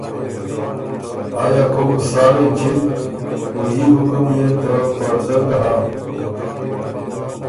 آیا کوک بُو سال اېنچِن؟ او يي حکم يې ته پړدۀ ګۀ هۀ